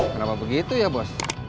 kenapa begitu ya bos